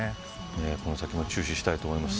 この先も注視したいと思います。